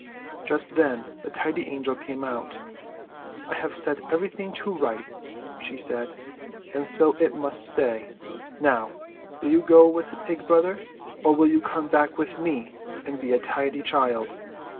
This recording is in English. Just then the Tidy Angel came out. "I have set everything to rights," she said, "and so it must stay. Now, will you go with the Pig Brother, or will you come back with me, and be a tidy child?"